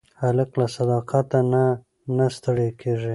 هلک له صداقت نه نه ستړی کېږي.